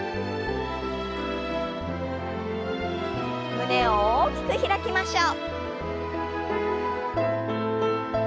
胸を大きく開きましょう。